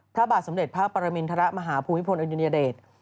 พระบาทสมเด็จพระปรมินทรมาฮภูมิพลอดุญเดช